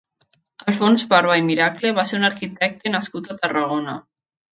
Alfons Barba i Miracle va ser un arquitecte nascut a Tarragona.